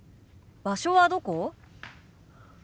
場所はどこ？